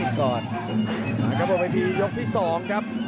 แล้วกันครับบนพิธียกที่๒ครับ